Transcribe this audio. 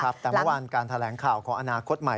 แต่เมื่อวานการแถลงข่าวของอนาคตใหม่